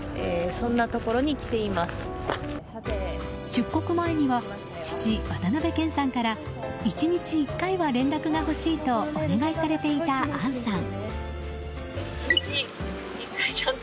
出国前には父・渡辺謙さんから１日１回は連絡がほしいとお願いされていた杏さん。